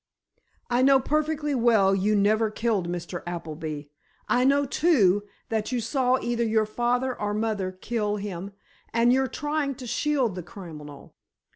I know perfectly well you never killed Mr. Appleby. I know, too, that you saw either your father or mother kill him and you're trying to shield the criminal.